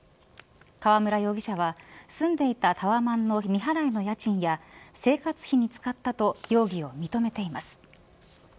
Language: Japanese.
川村容疑者は住んでいたタワマンの未払いの家賃を生活費に使ったと容疑を認めています。